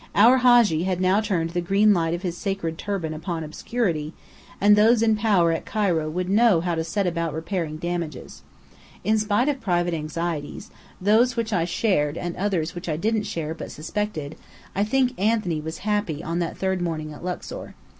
Our Hadji had now turned the green light of his sacred turban upon obscurity, and those in power at Cairo would know how to set about repairing damages. In spite of private anxieties, those which I shared and others which I didn't share but suspected, I think Anthony was happy on that third morning at Luxor.